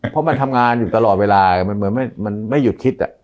เพราะมันทำงานอยู่ตลอดเวลามันไม่หยุดคิดอ่ะ